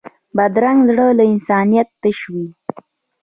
بدرنګه زړه له انسانیت تش وي